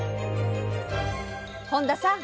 本田さん